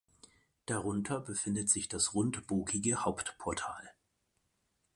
Darunter befindet sich das rundbogige Hauptportal.